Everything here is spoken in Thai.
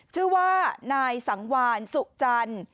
ชื่อว่านายสังวานสุจันทร์